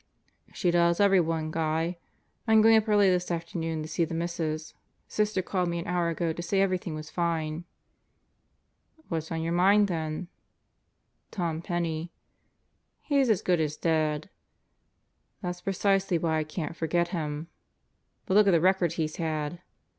"She does everyone, Guy. I'm going up early this afternoon to see the Mrs. Sister called me an hour ago to say everything was fine." "What's on your mind, then?" "Tom Penney." "He's as good as dead." "That's precisely why I can't forget him." "But look at the record he's had!"